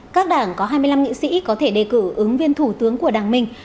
các đảng có hai mươi năm nghị sĩ có thể đề cử ứng viên thủ tướng của đảng mình